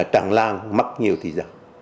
chẳng lang mất nhiều thời gian